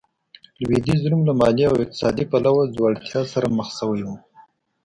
لوېدیځ روم له مالي او اقتصادي پلوه ځوړتیا سره مخ شوی و.